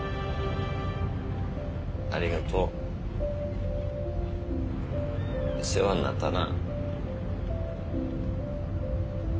ありがとう世話になったな。